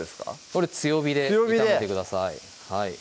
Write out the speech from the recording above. これ強火で炒めてください